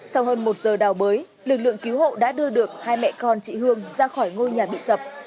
sau hơn một giờ đào bới lực lượng cứu hộ đã đưa được hai mẹ con chị hương ra khỏi ngôi nhà bị sập